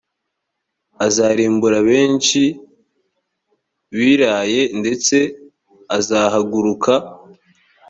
azarimbura benshi biraye ndetse azahaguruka